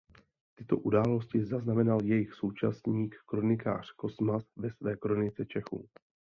Tyto události zaznamenal jejich současník kronikář Kosmas ve své Kronice Čechů.